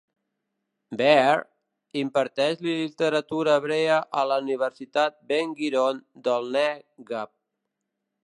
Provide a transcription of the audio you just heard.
Be'er imparteix literatura hebrea a la Universitat Ben Gurion del Nègueb.